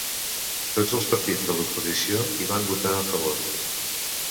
Tots els partits de l'oposició hi han votat a favor.